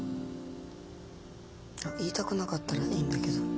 あっ言いたくなかったらいいんだけど。